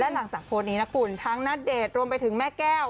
หลังจากโพสต์นี้นะคุณทั้งณเดชน์รวมไปถึงแม่แก้ว